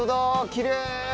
きれい！